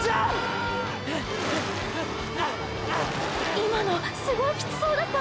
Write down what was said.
今のすごいキツそうだった！